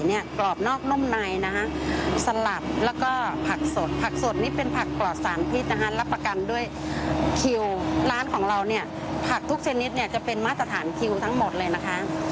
นี่ดูแบบการันตีรสชาติมากเลยเพราะว่าทำจากมะนาวสดด้วยค่ะ